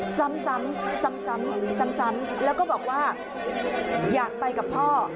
ซ้ำซ้ำซ้ำซ้ำซ้ำซ้ำแล้วก็บอกว่าอยากไปกับพ่อ